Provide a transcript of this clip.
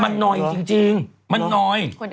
มันหน่อยจริงมันน้อย